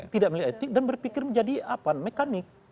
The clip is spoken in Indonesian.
tidak melalui etik dan berpikir menjadi mekanik